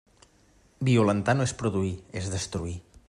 Violentar no és produir, és destruir.